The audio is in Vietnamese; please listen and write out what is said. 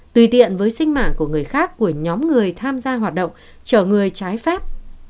tùy tiện với sinh mạng của người khác của nhóm người tham gia hoạt động chờ người trái pháp